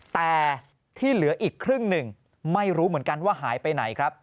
แต่ที่เหลืออีกครึ่งหนึ่งไม่รู้เหมือนกันว่าหายไปไหนครับ